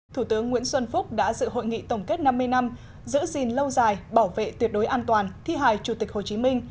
thủ tướng nguyễn xuân phúc đã dự hội nghị tổng kết năm mươi năm giữ gìn lâu dài bảo vệ tuyệt đối an toàn thi hài chủ tịch hồ chí minh